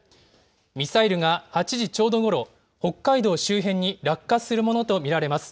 ミサイルが８時ちょうどごろ、北海道周辺に落下するものと見られます。